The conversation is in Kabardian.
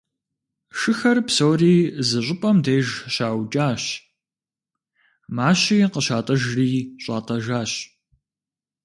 Шыхэр псори зы щӏыпӏэм деж щаукӏащ, мащи къыщатӏыжри щӏатӏэжащ.